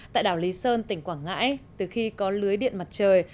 tại đảo lý sơn tỉnh quảng ngãi từ khi có lưới điện mặt trời